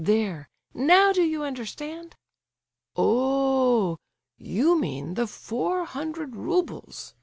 There, now do you understand?" "Oh—h—h! You mean the four hundred roubles!"